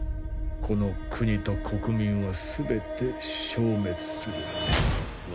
この国と国民は全て消滅する。